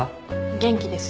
元気ですよ。